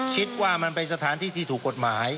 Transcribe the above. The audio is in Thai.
คิดว่ามันเป็นสถานที่ที่ถูกกฎหมาย